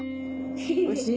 おいしい？